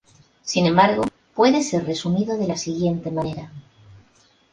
Sin embargo, puede ser resumido de la siguiente manera.